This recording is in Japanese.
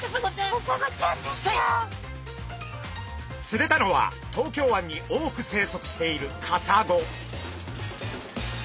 釣れたのは東京湾に多く生息しているカサゴ。